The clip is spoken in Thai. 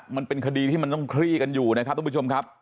มันเป็นคดีที่มันต้องคลี่กันอยู่นะครับทุกผู้ชมครับ